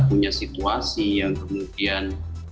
punya situasi yang kemudian